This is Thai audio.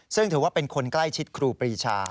ซึ่งถือว่าเป็นคนใกล้ชิดครูปรีชา